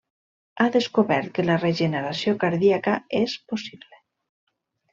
Ha descobert que la regeneració cardíaca és possible.